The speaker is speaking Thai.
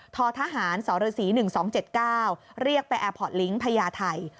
ททหารสรศรี๑๒๗๙เรียกไปแอร์พอร์ตลิงค์พญาไทย